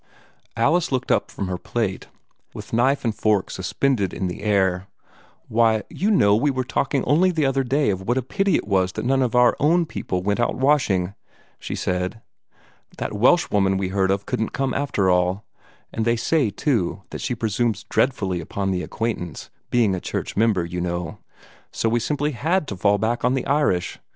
Alice looked up from her plate, with knife and fork suspended in air. "Why, you know we were talking only the other day of what a pity it was that none of our own people went out washing," she said. "That Welsh woman we heard of couldn't come, after all; and they say, too, that she presumes dreadfully upon the acquaintance, being a church member, you know. So we simply had to fall back on the Irish.